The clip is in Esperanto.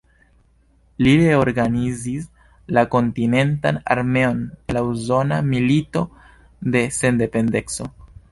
Li reorganizis la kontinentan armeon en la Usona Milito de Sendependeco.